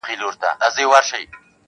دا کيسه د انساني درد يوه اوږده نښه ده,